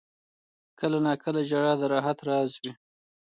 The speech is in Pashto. • کله ناکله ژړا د راحت راز وي.